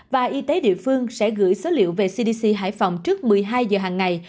và y tế địa phương sẽ gửi số liệu về cdc hải phòng trước một mươi hai giờ hàng ngày